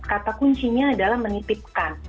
kata kuncinya adalah menitipkan